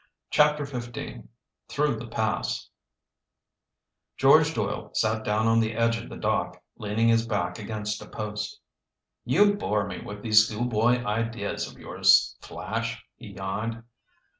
CHAPTER XV THROUGH THE PASS George Doyle sat down on the edge of the dock, leaning his back against a post. "You bore me with those schoolboy ideas of yours, Flash," he yawned.